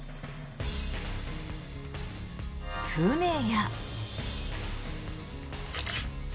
船や。